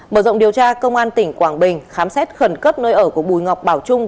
mở rộng điều tra công an tỉnh quảng bình khám xét khẩn cấp nơi ở của bùi ngọc bảo trung